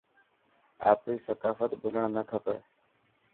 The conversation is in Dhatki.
آپري ثقافت ڀلڻ نا کپي.